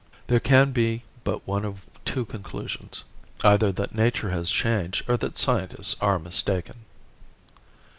There can be but one of two conclusions, either that nature has changed or that scientists are mistaken.